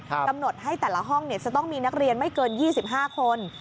กำหนดให้แต่ละห้องจะต้องมีนักเรียนไม่เกิน๒๕คน